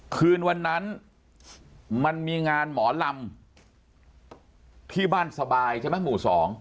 คืนวันนั้นมันมีงานหมอลำที่บ้านสบายใช่ไหมหมู่๒